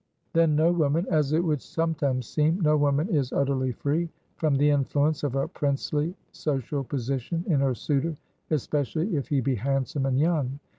Then, no woman as it would sometimes seem no woman is utterly free from the influence of a princely social position in her suitor, especially if he be handsome and young.